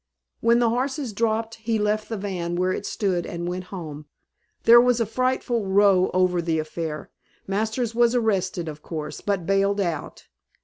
When the horses dropped he left the van where it stood and went home. There was a frightful row over the affair. Masters was arrested, of course, but bailed out.